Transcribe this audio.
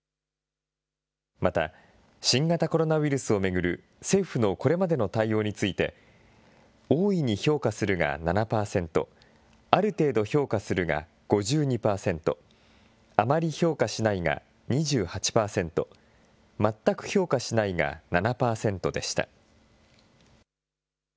また、新型コロナウイルスを巡る政府のこれまでの対応について、大いに評価するが７％、ある程度評価するが５２％、あまり評価しないが２８％、まったく評価しないが７％でした。